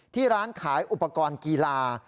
ที่ร้านขายอุปกรณ์กีฬา